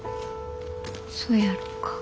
そやろか。